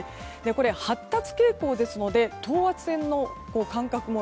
これは発達傾向ですので等圧線の間隔も